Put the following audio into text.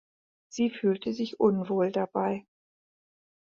Sie fühlte sich unwohl dabei.